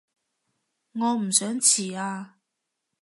我唔想遲啊